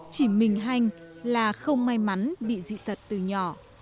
chỉ mình hanh là không may mắn bị dị tật từ nhỏ